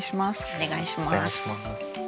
お願いします。